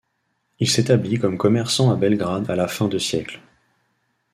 Il s’établit comme commerçant à Belgrade à la fin de siècle.